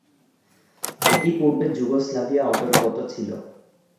এটি পূর্বে যুগোস্লাভিয়া অন্তর্গত ছিল।